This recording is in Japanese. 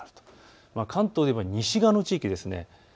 関東では西側の地域です。